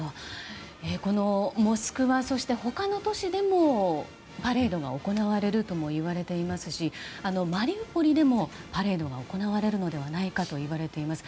このモスクワそして他の都市でもパレードが行われるとも言われていますしマリウポリでもパレードが行われるのではないかといわれています。